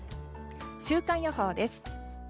週間予報です。